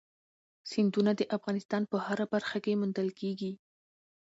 سیندونه د افغانستان په هره برخه کې موندل کېږي.